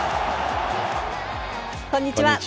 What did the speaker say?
こんにちは。